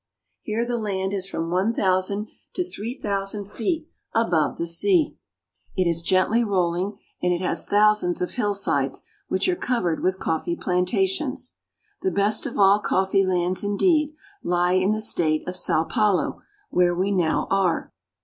Here the land is from one thousand to three thousand feet above the sea. It is gently rolling, and it has thousands of hill sides which are covered with coffee plantations. The best of all coffee lands, indeed. He in the state of Sao Paulo, where we now are.